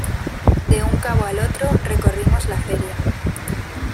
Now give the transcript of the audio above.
de un cabo al otro recorrimos la feria.